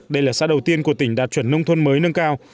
đây là xã đầu tiên của tỉnh đạt chuẩn nông thôn mới nâng cao